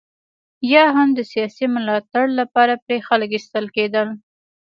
یا هم د سیاسي ملاتړ لپاره پرې خلک اخیستل کېدل.